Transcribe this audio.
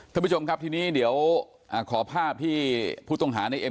ท่านผู้ชมครับทีนี้เดี๋ยวขอภาพที่ผู้ต้องหาในเอ็ม